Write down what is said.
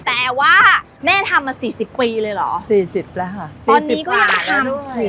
แต่ว่าแม่ทำมา๔๐ปีเลยเหรอ๔๐แล้วค่ะตอนนี้ก็ยังทำ